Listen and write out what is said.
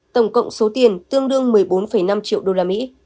tổng cộng số tiền tương đương một mươi bốn năm triệu usd